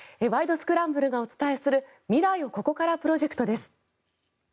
スクランブル」がお伝えする未来をここからプロジェクトです。